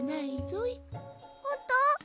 ほんと！？